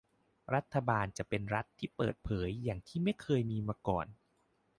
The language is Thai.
รัฐบาลจะเป็นรัฐที่เปิดเผยอย่างที่ไม่เคยมีมาก่อน